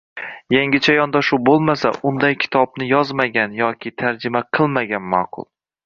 yangicha yondashuv bo‘lmasa, unday kitobni yozmagan yoki tarjima qilmagan ma’qul.